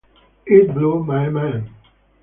It blew my mind.